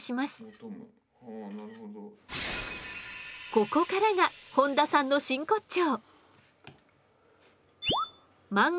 ここからが本多さんの真骨頂！